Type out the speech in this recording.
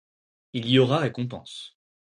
Il y aura récompense.